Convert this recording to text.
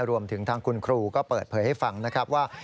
รวมถึงทางคุณครูก็เปิดเผยให้ฟังนะครับว่า